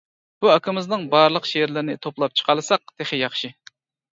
بۇ ئاكىمىزنىڭ بارلىق شېئىرلىرىنى توپلاپ چىقالىساق تېخى ياخشى.